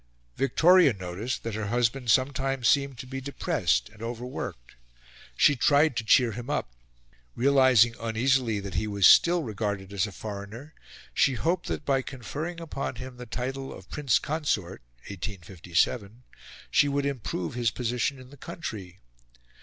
Victoria noticed that her husband sometimes seemed to be depressed and overworked. She tried to cheer him up. Realising uneasily that he was still regarded as a foreigner, she hoped that by conferring upon him the title of Prince Consort (1857) she would improve his position in the country.